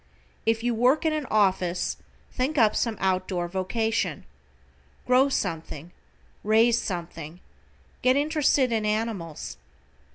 If you work in an office think up some out door vocation. Grow something, raise something, get interested in animals.